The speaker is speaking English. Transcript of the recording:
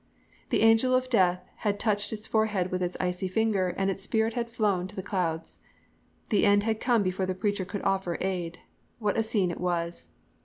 "The Angel of Death had touched its forehead with its icy finger and its spirit had flown to the clouds. "The end had come before the preacher could offer aid. "What a scene it was!